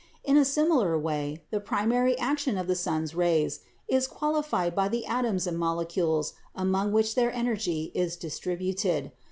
' In a similar way, the primary action of the sun's rays is qualified by the atoms and molecules among which their energy is distributed.